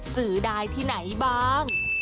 ซื้อได้ที่ไหนบ้าง